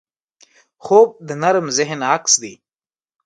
خوب د نرم ذهن عکس دی